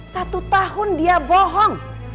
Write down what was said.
satu tahun dia bohong